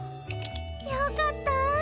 よかった